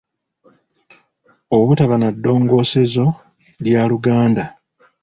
Obutaba na ddongoosezo lya Luganda